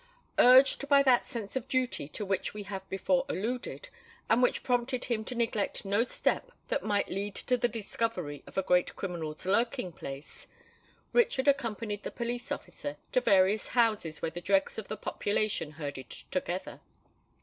Urged by that sense of duty to which we have before alluded, and which prompted him to neglect no step that might lead to the discovery of a great criminal's lurking place, Richard accompanied the police officer to various houses where the dregs of the population herded together.